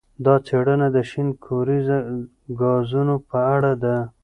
دا څېړنه د شین کوریزه ګازونو په اړه ده.